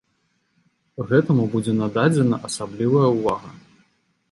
Гэтаму будзе нададзена асаблівая ўвага.